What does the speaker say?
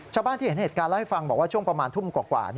ชาวบ้านที่เห็นเหตุการณ์เล่าให้ฟังบอกว่าช่วงประมาณทุ่มกว่า